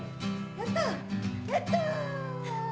やったやった。